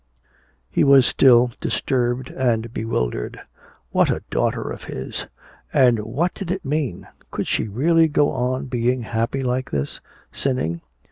He was still disturbed and bewildered. What a daughter of his! And what did it mean? Could she really go on being happy like this? Sinning?